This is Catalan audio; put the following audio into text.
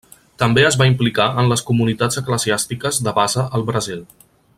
També es va implicar en les comunitats eclesiàstiques de base al Brasil.